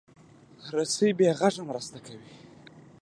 رسۍ بې غږه مرسته کوي.